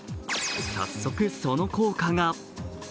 早速、その効果が。